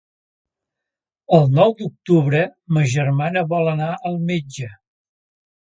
El nou d'octubre ma germana vol anar al metge.